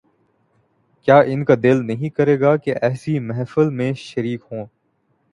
کیا ان کا دل نہ کرے گا کہ ایسی محفل میں شریک ہوں۔